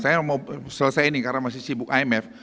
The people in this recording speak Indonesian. saya mau selesai ini karena masih sibuk imf